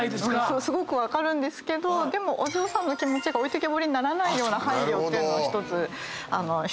すごく分かるんですけどお嬢さんの気持ち置いてけぼりにならないような配慮というのを１つ必要かなという。